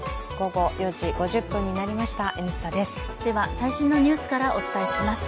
最新のニュースからお伝えします。